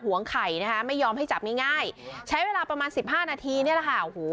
วงไข่นะคะไม่ยอมให้จับง่ายใช้เวลาประมาณสิบห้านาทีนี่แหละค่ะโอ้โห